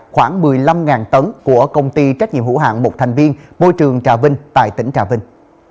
khoảng một mươi năm tấn của công ty trách nhiệm hữu hạng một thành viên bôi trường trà vinh tại tỉnh trà vinh